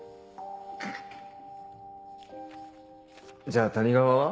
じゃあ谷川は？